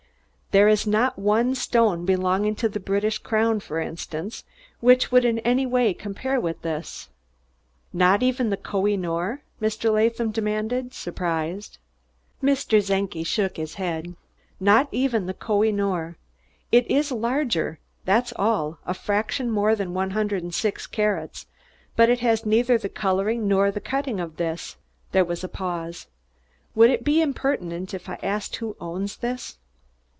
"There is not one stone belonging to the British crown, for instance, which would in any way compare with this." "Not even the Koh i noor?" Mr. Latham demanded, surprised. Mr. Czenki shook his head. "Not even the Koh i noor. It is larger, that's all a fraction more than one hundred and six carats, but it has neither the coloring nor the cutting of this." There was a pause. "Would it be impertinent if I ask who owns this?"